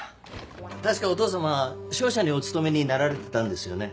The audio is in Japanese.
確かお父さまは商社にお勤めになられてたんですよね？